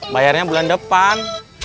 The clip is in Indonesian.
bayarnya bulan depan